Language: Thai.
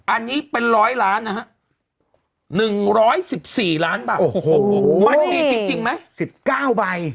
อันนี้เป็นร้อยล้านฮะหนึ่งร้อยสิบสี่ล้านบาทโอ้โหโห